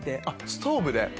あっストーブで。